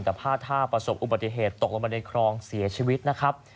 แต่พลาดท่าประสบอุบัติเหตุตกลงมาในคลองเสียชีวิตนะครับ